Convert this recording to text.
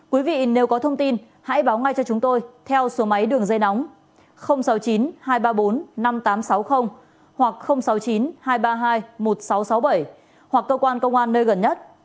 quý vị nếu có thông tin hãy báo ngay cho chúng tôi theo số máy đường dây nóng sáu mươi chín hai trăm ba mươi bốn năm nghìn tám trăm sáu mươi hoặc sáu mươi chín hai trăm ba mươi hai một nghìn sáu trăm sáu mươi bảy hoặc cơ quan công an nơi gần nhất